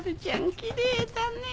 きれいだねぇ。